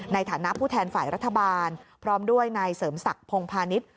ในฐานะผู้แทนฝ่ายรัฐบาลพร้อมด้วยนายเสริมศักดิ์พงพาณิชย์